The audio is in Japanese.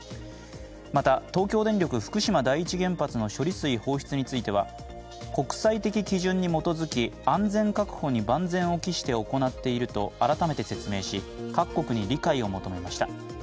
また、東京電力・福島第一原発の処理水放出については、国際的基準に基づき安全確保に万全を期して行っていると改めて説明し、各国に理解を求めました。